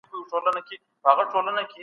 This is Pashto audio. د هغې مځکي خاوره ډېره ښه ده.